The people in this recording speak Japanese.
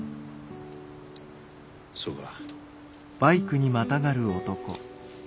そうか。